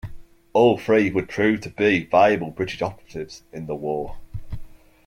All three would prove to be valuable British operatives in the war.